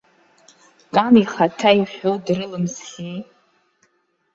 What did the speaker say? Кан ихаҭа иҳәо дрылымсхьеи.